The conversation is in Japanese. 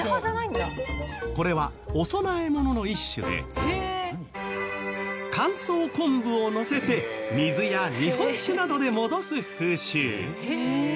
これはお供え物の一種で乾燥昆布をのせて水や日本酒などで戻す風習。